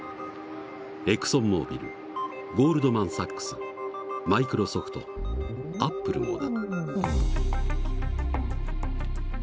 エクソンモービルゴールドマンサックスマイクロソフトアップルもだ。